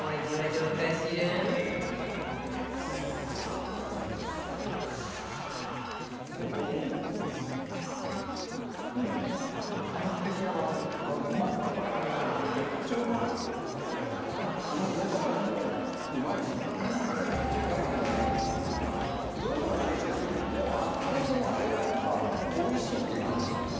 だからもうそのうどんとの相性というよりももう圧倒的にあれがおいしいっていう感じですね。